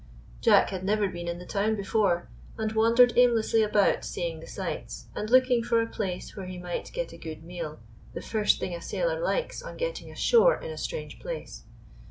Jack had never been in the town before, and wandered aimlessly about seeing the sights, and looking for a place where he might get a good meal — the first thing a sailor likes on getting ashore in a strange place.